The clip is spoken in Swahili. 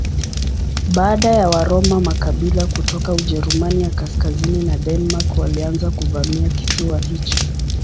Baada ya Waroma makabila kutoka Ujerumani ya kaskazini na Denmark walianza kuvamia kisiwa hicho.